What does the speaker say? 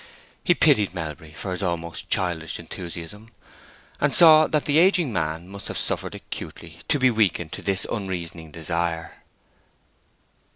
He pitied Melbury for his almost childish enthusiasm, and saw that the aging man must have suffered acutely to be weakened to this unreasoning desire.